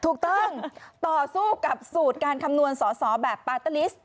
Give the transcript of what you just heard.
ถูกต้องต่อสู้กับสูตรการคำนวณสอสอแบบปาร์ลิสต